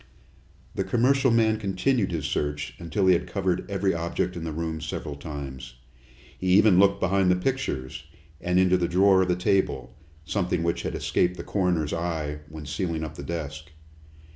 The commercial man continued his search until he had covered every object in the room several times. He even looked behind the pictures, and into the drawer of the table, something which had escaped the coroner's eye when sealing up the desk.